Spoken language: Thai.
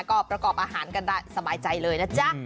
ก็ประกอบอาหารกันได้สบายใจเลยนะจ๊ะ